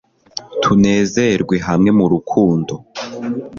tunezerwe hamwe mu rukundo